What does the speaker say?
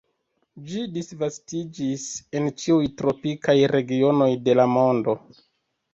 Ĝi disvastiĝis en ĉiuj tropikaj regionoj de la mondo.